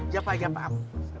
ya pak ya pak